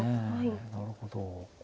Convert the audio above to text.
なるほどね。